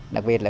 đặc biệt là ở